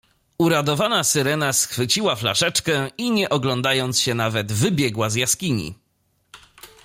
"Uradowana Syrena schwyciła flaszeczkę i, nie oglądając się nawet, wybiegła z jaskini."